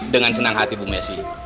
dengan senang hati bu messi